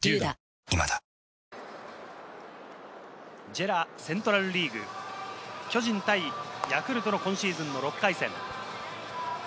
ＪＥＲＡセントラルリーグ、巨人対ヤクルトの今シーズンの６回戦。